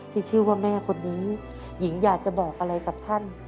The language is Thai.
ที่ชื่อว่าแม่คนนี้หญิงอยากจะบอกอะไรกับท่าน